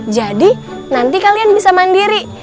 jadi nanti kalian bisa mandiri